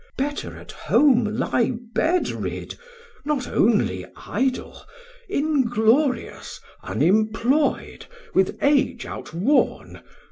Better at home lie bed rid, not only idle, Inglorious, unimploy'd, with age out worn.